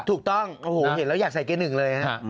ถูกต้องโอ้โหเห็นแล้วอยากใส่เกหนึ่งเลยฮะ